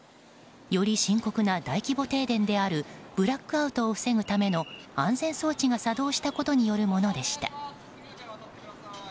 より深刻な大規模停電であるブラックアウトを防ぐための安全装置が作動したことによるものでした。